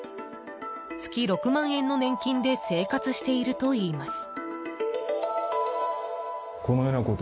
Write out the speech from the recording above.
月６万円の年金で生活しているといいます。